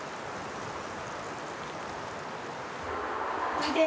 おいで。